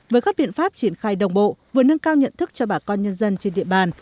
với các biện pháp triển khai đồng bộ vừa nâng cao nhận thức cho bà con nhân dân trên địa bàn